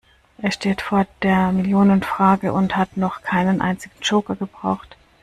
Er steht vor der Millionenfrage und hat noch keinen einzigen Joker gebraucht.